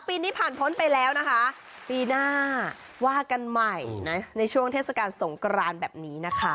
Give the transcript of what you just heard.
ปีนี้ผ่านพ้นไปแล้วนะคะปีหน้าว่ากันใหม่นะในช่วงเทศกาลสงกรานแบบนี้นะคะ